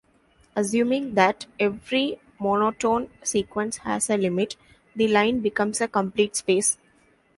Assuming that every monotone sequence has a limit, the line becomes a complete space.